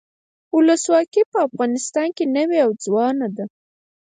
ولسواکي په افغانستان کې نوي او ځوانه ده.